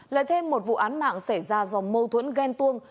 lại thêm một vụ án mạng xảy ra do mâu thuẫn ghen tuông